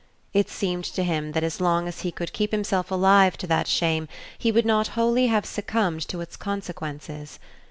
It seemed to him that as long as he could keep himself alive to that shame he would not wholly have succumbed to its consequences.